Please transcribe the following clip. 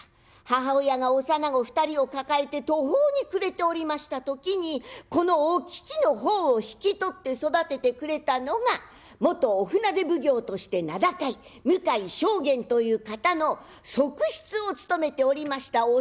母親が幼子２人を抱えて途方に暮れておりました時にこのお吉の方を引き取って育ててくれたのが元御船手奉行として名高い向井将監という方の側室を務めておりましたおせんという人。